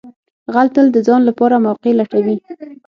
غل تل د ځان لپاره موقع لټوي